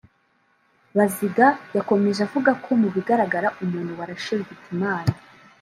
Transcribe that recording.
Baziga yakomeje avuga ko mu bigaragara umuntu warashe Hitimana